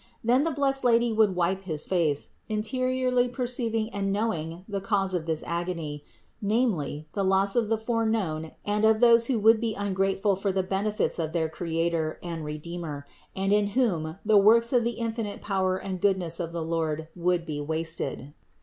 Then the blessed Lady would wipe his face interiorly perceiving and knowing the cause of this agony, namely the loss of the fore known and of those who would be ungrateful for the benefits of their Creator and Redeemer and in whom the works of the infinite power and goodness of the Lord would be wasted.